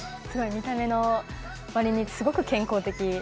見た目のわりにすごく健康的。